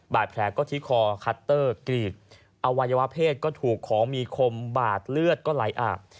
บาดแผลก็ที่คอคัตเตอร์กรีดอวัยวะเพศก็ถูกของมีคมบาดเลือดก็ไหลอาบ